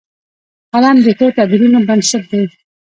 قلم د ښو تعبیرونو بنسټ دی